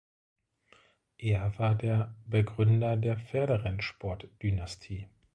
Er war der Begründer der Pferderennsport-Dynastie.